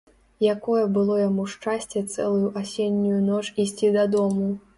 Якое было яму шчасце цэлую асеннюю ноч ісці дадому.